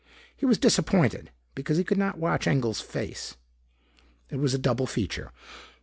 He was disappointed because he could not watch Engel's face. It was a double feature.